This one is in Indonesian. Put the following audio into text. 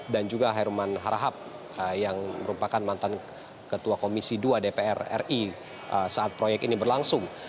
dan juga herman harahap yang merupakan mantan ketua komisi dua dpr ri saat proyek ini berlangsung